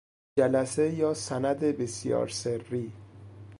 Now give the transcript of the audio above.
جلسه یا سند بسیار سری